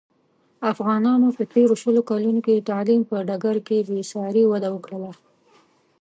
افغانانو په تېرو شلو کلونوکې د تعلیم په ډګر کې بې ساري وده وکړله.